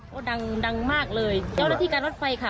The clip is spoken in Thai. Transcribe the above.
ก็ดังดังมากเลยเดี๋ยวแล้วที่การรถไฟค่ะ